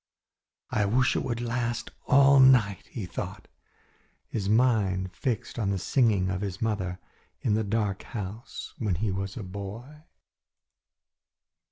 "I wish it would last all night," he thought, his mind fixed on the singing of his mother in the dark house when he was a boy.